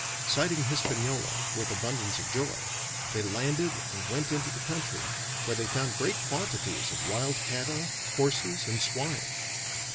Sighting Hispaniola "with abundance of joy," they landed, and went into the country, where they found great quantities of wild cattle, horses, and swine.